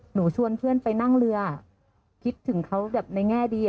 ชวนเพื่อนไปนั่งเรือคิดถึงเขาแบบในแง่ดี